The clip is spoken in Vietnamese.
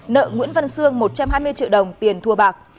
nợ nguyễn văn sương một trăm hai mươi triệu đồng tiền thua bạc